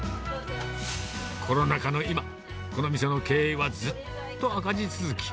コロナ禍の今、この店の経営はずっと赤字続き。